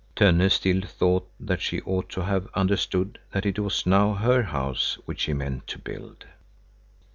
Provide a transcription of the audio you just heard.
Tönne still thought that she ought to have understood that it was now her house which he meant to build.